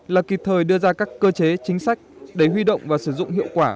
là kịp thời đưa ra các cơ chế chính sách để huy động và sử dụng hiệu quả